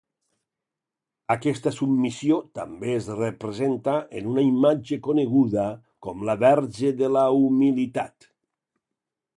Aquesta submissió també es representa en una imatge coneguda com la Verge de la Humilitat.